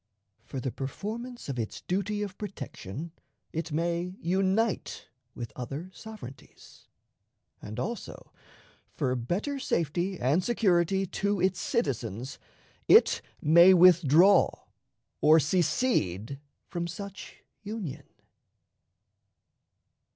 For the performance of its duty of protection it may unite with other sovereignties; and also, for better safety and security to its citizens, it may withdraw or secede from such Union.